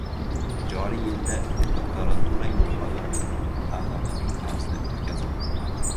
Joriy yilda doktorantura imtihonlari an’anaviy tarzda o‘tkaziladi